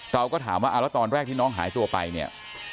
เราก็ถามว่าแล้วตอนแรกที่น้องหายตัวไปเนี่ย